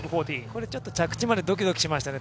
これちょっと着地までドキドキしましたね。